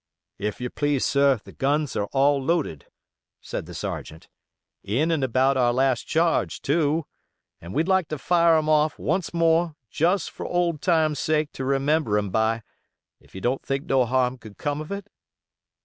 "If you please, sir, the guns are all loaded," said the sergeant; "in and about our last charge, too; and we'd like to fire 'em off once more, jist for old times' sake to remember 'em by, if you don't think no harm could come of it?"